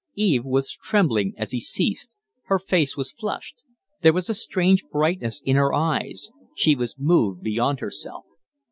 Ewe was trembling as he ceased; her face was flushed; there was a strange brightness in her eyes She was moved beyond herself.